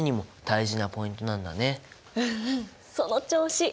うんうんその調子！